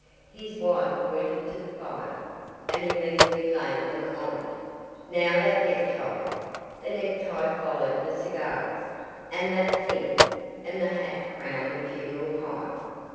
His wife pointed to the fire, and he meekly laid them on it. "Now that necktie." The necktie followed the cigars. "And that thing;" and the hat crowned the funeral pile.